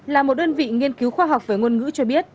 là một đơn vị nghiên cứu khoa học về ngôn ngữ cho biết